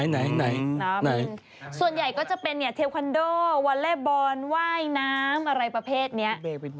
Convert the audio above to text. ไหนส่วนใหญ่ก็จะเป็นเทคอนโดวอลเล่บอลว่ายน้ำอะไรประเภทนี้